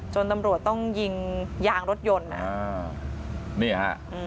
ตำรวจต้องยิงยางรถยนต์นี่ฮะ